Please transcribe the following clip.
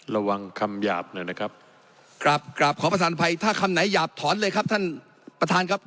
ระวังคำหยาบหน่อยนะครับกราบกราบขอประธานภัยถ้าคำไหนหยาบถอนเลยครับท่านประธานครับ